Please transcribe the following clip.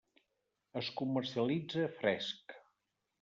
Es comercialitza fresc.